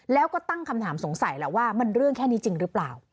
แล้วก็ตั้งคำถามสงสัยแล้วว่ามันเรื่องแค่นี้จริงหรือเปล่า